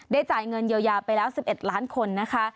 จ่ายเงินเยียวยาไปแล้ว๑๑ล้านคนนะคะ